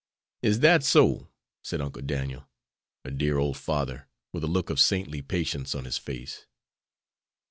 "Is dat so?" said Uncle Daniel, a dear old father, with a look of saintly patience on his face.